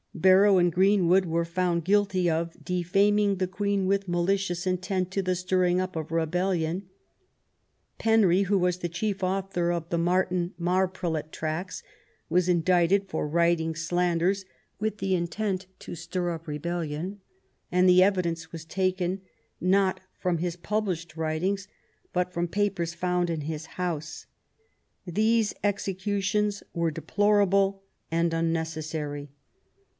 . Barrow and Greenwood were found guilty of defaming the Queen with malicious intent, to the stirring up of rebellion *\ Penry, who was the chief author of the Martin Marprelate tracts, was indicted for writing slanders with the intent to stir up rebellion, and the evidence was taken, not from published writings, but from papers found in his house. These, executions were deplorable and, unnecessary.